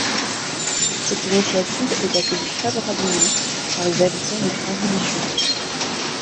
Cette initiative est accueillie favorablement par les habitants des trois religions.